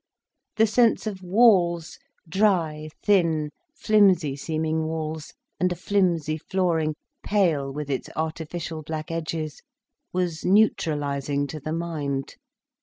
The sense of walls, dry, thin, flimsy seeming walls, and a flimsy flooring, pale with its artificial black edges, was neutralising to the mind.